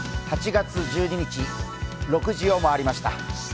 ８月１２日、６時を回りました。